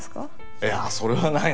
いやそれはないな。